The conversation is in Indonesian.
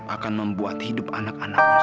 akan membuat hidup anak anaknya